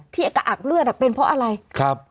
ที่อากาศเลือดเป็นเพราะอะไรครับ